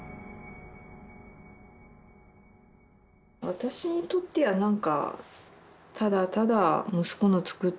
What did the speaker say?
私にとっては何かただただ息子の作ったものですよ。